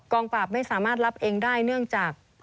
ปราบไม่สามารถรับเองได้เนื่องจาก